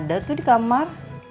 ada tuh di kamar